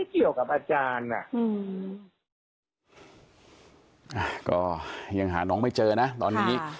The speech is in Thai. ก็ยังหาน้องไม่เจอนะตอนนี้